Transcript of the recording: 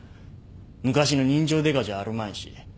昔の人情デカじゃあるまいし。